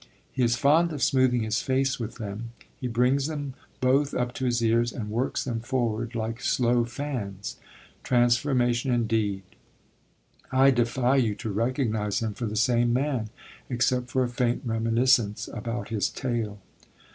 He is fond of smoothing his face with them; he brings them both up to his ears and works them forward like slow fans. Transformation indeed. I defy you to recognise him for the same man except for a faint reminiscence about his tail.